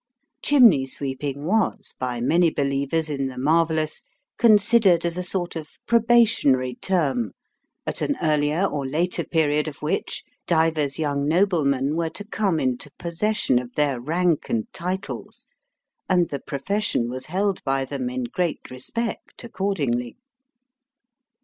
Chimney sweeping was, by many believers in the marvellous, considered as a sort of probationary term, at an earlier or later period of which, divers young noblemen were to come into possession of their rank and titles : and the profession was held by them in great respect accordingly.